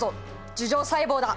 樹状細胞だ！